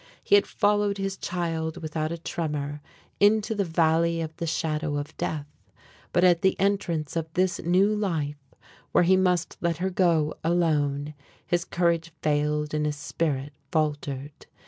He had followed his child without a tremor into the Valley of the Shadow of Death, but at the entrance of this new life, where he must let her go alone, his courage failed and his spirit faltered.